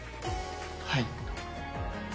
はい。